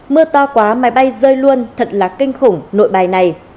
mưa to quá máy bay rơi luôn thật là kinh khủng nội bài này